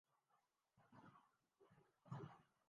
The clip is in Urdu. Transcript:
سندھ کے اسٹائلش وزیر کھیل سے ملیے